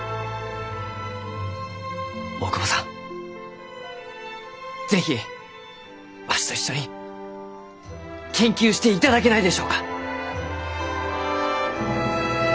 大窪さん是非わしと一緒に研究していただけないでしょうか？